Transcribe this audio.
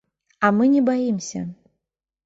А мы не баімся.